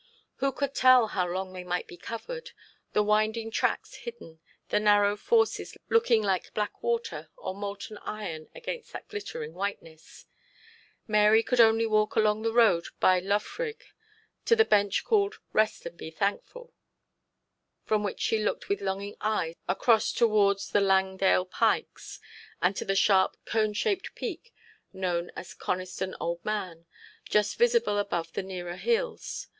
Who could tell how long they might be covered; the winding tracks hidden; the narrow forces looking like black water or molten iron against that glittering whiteness? Mary could only walk along the road by Loughrigg to the bench called 'Rest and be thankful,' from which she looked with longing eyes across towards the Langdale Pikes, and to the sharp cone shaped peak, known as Coniston Old Man, just visible above the nearer hills.